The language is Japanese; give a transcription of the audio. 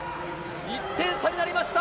１点差になりました。